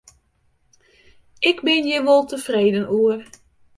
Ik bin hjir wol tefreden oer.